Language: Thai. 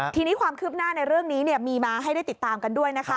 ทีนี้ความคืบหน้าในเรื่องนี้มีมาให้ได้ติดตามกันด้วยนะคะ